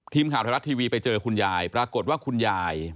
ทีมข่าวไทยรัฐทีวีไปเจอคุณยายปรากฏว่าคุณยาย